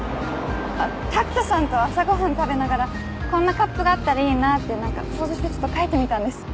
あっ拓人さんと朝ご飯食べながらこんなカップがあったらいいなって何か想像してちょっと描いてみたんです。